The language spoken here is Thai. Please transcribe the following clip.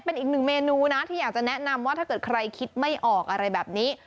เป็นอีกหนึ่งเมนูนะที่อยากจะแนะนำว่าถ้าเกิดใครคิดไม่ออกอะไรแบบนี้